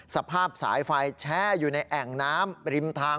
สภาพสายไฟแช่อยู่ในแอ่งน้ำริมทาง